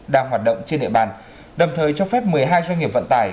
đang hoạt động trên địa bàn đồng thời cho phép một mươi hai doanh nghiệp vận tải